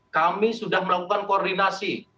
kami sudah melakukan koordinasi